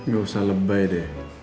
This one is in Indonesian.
gak usah lebay deh